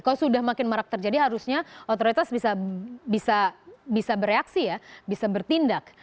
kalau sudah makin marak terjadi harusnya otoritas bisa bereaksi ya bisa bertindak